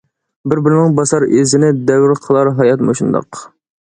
بىر-بىرىنىڭ باسار ئىزىنى دەۋر قىلار ھايات مۇشۇنداق.